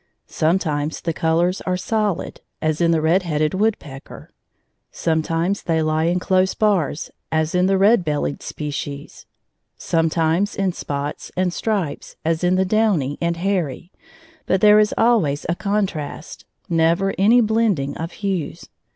Sometimes the colors are "solid," as in the red headed woodpecker; sometimes they lie in close bars, as in the red bellied species; sometimes in spots and stripes, as in the downy and hairy; but there is always a contrast, never any blending of hues.